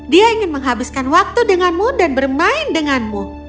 dia ingin menghabiskan waktu denganmu dan bermain denganmu